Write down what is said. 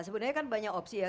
sebenarnya kan banyak opsi ya